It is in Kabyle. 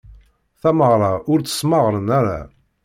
Tamaɣra ur tt-smaɣren ara.